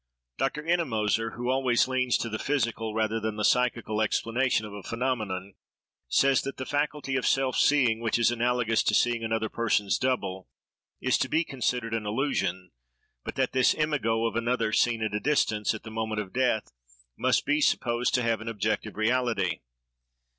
Dr. Ennemoser, who always leans to the physical rather than the psychical explanation of a phenomenon, says, that the faculty of self seeing, which is analogous to seeing another person's double, is to be considered an illusion; but that this imago of another seen at a distance, at the moment of death, must be supposed to have an objective reality.